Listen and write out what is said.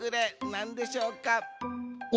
なんでしょうか？